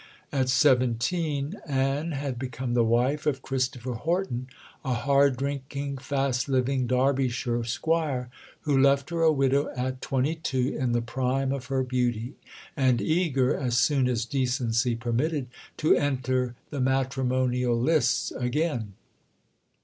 At seventeen Anne had become the wife of Christopher Horton, a hard drinking, fast living Derbyshire squire, who left her a widow at twenty two, in the prime of her beauty, and eager, as soon as decency permitted, to enter the matrimonial lists again.